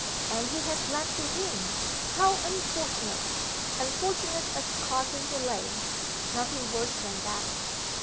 "And he has left the inn! How unfortunate!" "Unfortunate as causing delay nothing worse than that.